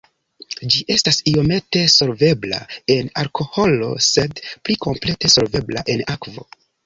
Ĝi estas iomete solvebla en alkoholo sed pli komplete solvebla en akvo.